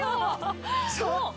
ちょっと。